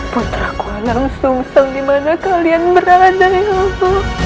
putraku anam sungsel dimana kalian berada ya allah